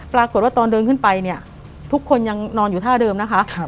ปรากฏว่าตอนเดินขึ้นไปเนี่ยทุกคนยังนอนอยู่ท่าเดิมนะคะ